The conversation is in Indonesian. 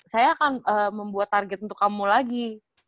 saya akan membuat target untuk kamu lagi